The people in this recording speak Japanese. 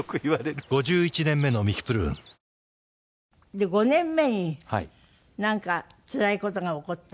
で５年目になんかつらい事が起こった。